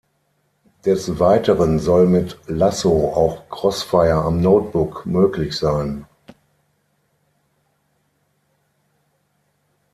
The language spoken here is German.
Des Weiteren soll mit "Lasso" auch Crossfire am Notebook möglich sein.